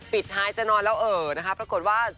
ปิดท้ายจะนอนแล้วเอ่อนะคะปรากฏว่า